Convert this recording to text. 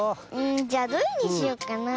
じゃあどれにしよっかなあ。